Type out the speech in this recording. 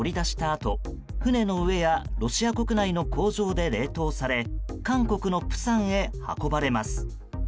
あと船の上やロシア国内の工場で冷凍され韓国の釜山へ運ばれます。